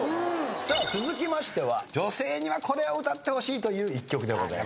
さあ続きましては女性にはこれを歌ってほしいという１曲でございますね。